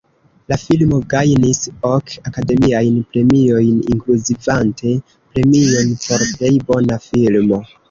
La filmo gajnis ok Akademiajn Premiojn, inkluzivante premion por plej bona filmo.